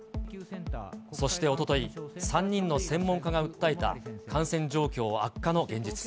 そしておととい、３人の専門家が訴えた感染状況悪化の現実。